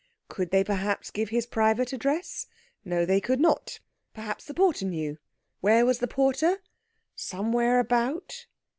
Could they perhaps give his private address? No, they could not; perhaps the porter knew. Where was the porter? Somewhere about.